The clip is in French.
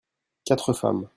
quatre femmes.